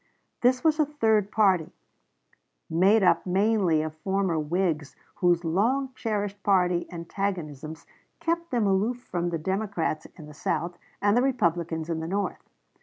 This was a third party, made up mainly of former Whigs whose long cherished party antagonisms kept them aloof from the Democrats in the South and the Republicans in the North.